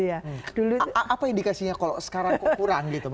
apa indikasinya kalau sekarang kok kurang